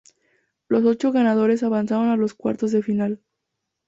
Los ocho ganadores avanzaron a los cuartos de final.